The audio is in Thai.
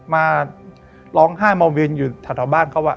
มาร้องไห้มาวินอยู่แถวบ้านเขา